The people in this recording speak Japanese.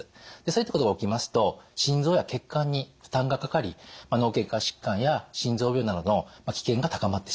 そういったことが起きますと心臓や血管に負担がかかり脳血管疾患や心臓病などの危険が高まってしまうということなのです。